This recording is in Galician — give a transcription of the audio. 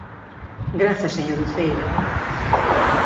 Grazas, señor Uceira.